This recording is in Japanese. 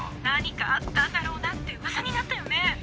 何かあったんだろうなって噂になったよね！